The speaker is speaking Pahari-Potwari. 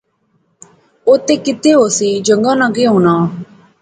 اتے کتے ہوسی، جنگتیں ناں کہہ ہونا